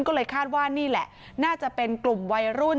ก็เลยคาดว่านี่แหละน่าจะเป็นกลุ่มวัยรุ่น